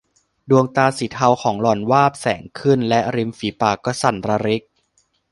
ดวงตาสีเทาของหล่อนวาบแสงขึ้นและริมปีฝากก็สั่นระริก